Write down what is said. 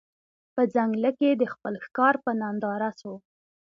په ځنګله کي د خپل ښکار په ننداره سو